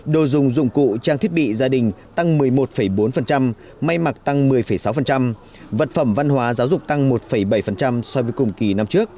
đồ dùng dụng cụ trang thiết bị gia đình tăng một mươi một bốn may mặc tăng một mươi sáu vật phẩm văn hóa giáo dục tăng một bảy so với cùng kỳ năm trước